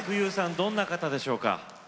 どんな方でしょうか？